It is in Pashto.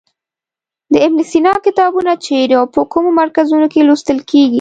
د ابن سینا کتابونه چیرې او په کومو مرکزونو کې لوستل کیږي.